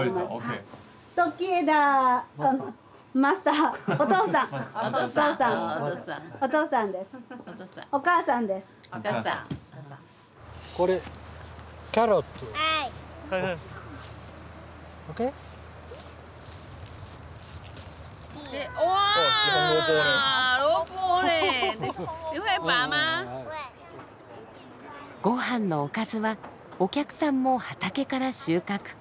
ご飯のおかずはお客さんも畑から収穫。